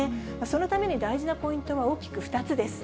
そのために大事なポイントは大きく２つです。